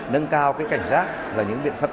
nâng cao cảnh giác và những biện pháp